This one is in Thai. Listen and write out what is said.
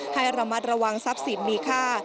ให้ระมัดระวังทรัพย์สินมีค่า